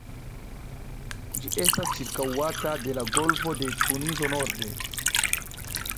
Ĝi estas ĉirkaŭata de la Golfo de Tunizo norde.